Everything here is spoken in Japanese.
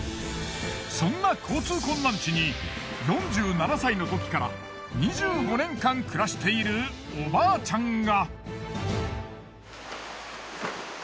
そんな交通困難地に４７歳のときから２５年間暮らしているおばあちゃんが。